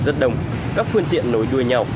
rất đông các phương tiện nối đuôi nhau